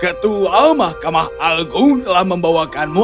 ketua mahkamah agung telah membawakanmu